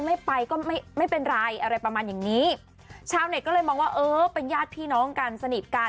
ไม่ไปก็ไม่ไม่เป็นไรอะไรประมาณอย่างนี้ชาวเน็ตก็เลยมองว่าเออเป็นญาติพี่น้องกันสนิทกัน